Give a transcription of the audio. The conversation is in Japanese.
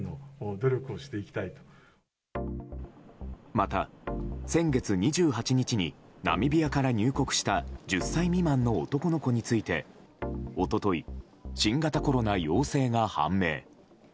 また、先月２８日にナミビアから入国した１０歳未満の男の子について一昨日、新型コロナ陽性が判明。